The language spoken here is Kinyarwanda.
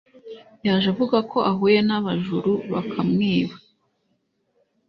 Yaje avuga ko ahuye nabajuru bakamwiba